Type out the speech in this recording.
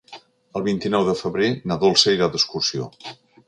El vint-i-nou de febrer na Dolça irà d'excursió.